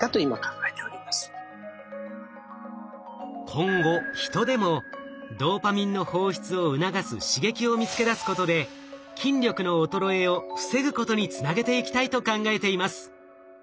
今後ヒトでもドーパミンの放出を促す刺激を見つけ出すことで筋力の衰えを防ぐことにつなげていきたいと考えています。